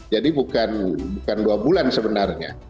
jadi bukan dua bulan sebenarnya